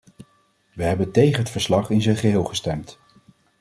We hebben tegen het verslag in zijn geheel gestemd.